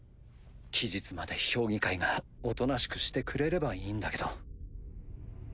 期日まで評議会がおとなしくしてくれればいいんだけど。